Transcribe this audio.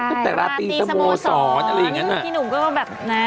ตั้งแต่ราตรีสโมสรอะไรอย่างเงี้นะพี่หนุ่มก็แบบนะ